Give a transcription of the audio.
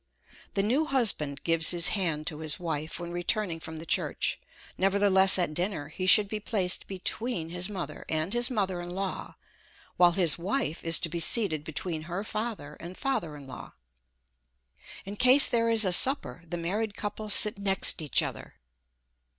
The new husband gives his hand to his wife when returning from the church; nevertheless at dinner he should be placed between his mother and his mother in law, while his wife is to be seated between her father and father in law. In case there is a supper, the married couple sit next each other.